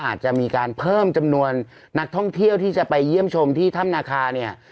อาจจะมีการเพิ่มจำนวนนักท่องเที่ยวที่จะไปเยี่ยมชมที่ถ้ำนาคาเนี่ย